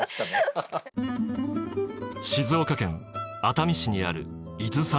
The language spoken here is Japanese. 静岡県熱海市にある伊豆山神社。